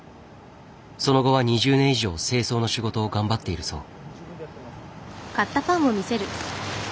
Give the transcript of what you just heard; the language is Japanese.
その後は２０年以上清掃の仕事を頑張っているそう。